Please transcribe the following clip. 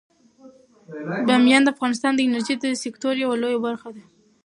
بامیان د افغانستان د انرژۍ د سکتور یوه لویه برخه ده.